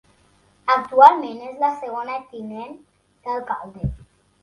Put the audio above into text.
Actualment és la segona tinent d'alcalde.